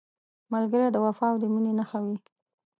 ملګری د وفا او مینې نښه وي